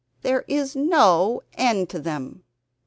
There is no end to them!